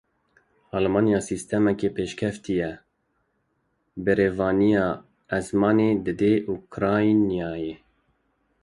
Almanya sîstemeke pêşkevtî ya berevaniya esmanî dide Ukraynayê.